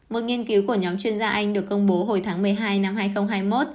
một nghiên cứu của nhóm chuyên gia anh được công bố hồi tháng một mươi hai năm hai nghìn hai mươi một